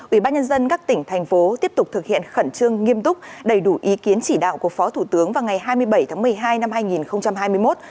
ubnd các tỉnh thành phố tiếp tục thực hiện khẩn trương nghiêm túc đầy đủ ý kiến chỉ đạo của phó thủ tướng vào ngày hai mươi bảy tháng một mươi hai năm hai nghìn hai mươi một